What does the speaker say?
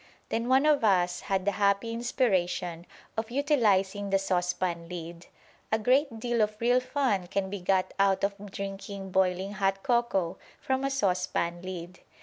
Then one of us had the happy inspiration of utilising the saucepan lid. A great deal of real fun can be got out of drinking boiling hot cocoa from a saucepan lid.